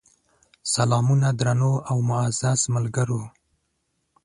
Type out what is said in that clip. سلامونه درنو او معزز ملګرو!